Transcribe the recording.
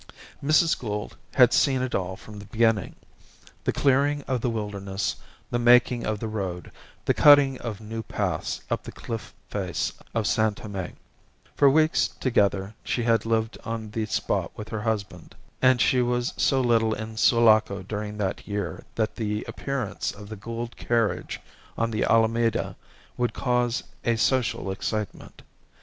Mrs. Gould had seen it all from the beginning: the clearing of the wilderness, the making of the road, the cutting of new paths up the cliff face of San Tome. For weeks together she had lived on the spot with her husband; and she was so little in Sulaco during that year that the appearance of the Gould carriage on the Alameda would cause a social excitement.